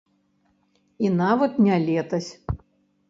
І нават не летась.